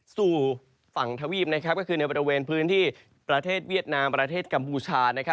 สู่ฝั่งทวีปก็คือในบริเวณพื้นที่ประเทศเวียดนามประเทศกัมพูชา